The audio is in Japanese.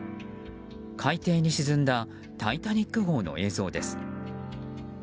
海底に沈んだ「タイタニック号」の映像です。